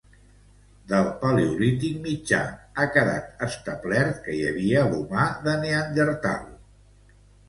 Del paleolític mitjà, ha quedat establert que hi havia l'humà de Neandertal.